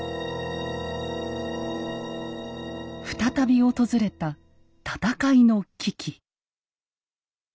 再び訪れた戦いの危機。